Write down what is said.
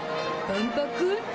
万博？